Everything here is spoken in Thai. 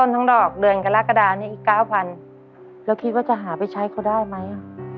แล้วคิดว่าจะหาไปใช้เขาได้ไหม